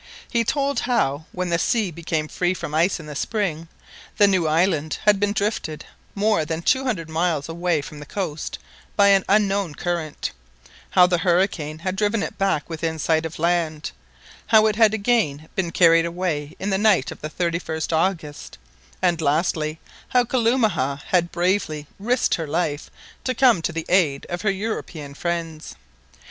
He told how, when the sea became free from ice in the spring, the new island had been drifted more than two hundred miles away from the coast by an unknown current, how the hurricane had driven it luck within sight of land, how it had again been carried away in the night of the 31st August, and, lastly, how Kalumah had bravely risked her life to come to the aid of her European friends.